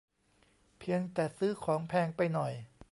เพียงแต่ซื้อของแพงไปหน่อย